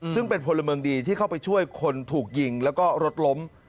ซึ่งเป็นพลเมืองดีที่เข้าไปช่วยคนถูกยิงแล้วก็รถล้ม